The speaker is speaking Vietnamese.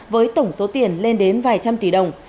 với tổng số tiền lên đến vài trăm tỷ đồng